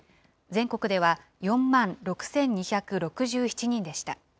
全国では４万６２６７人でした。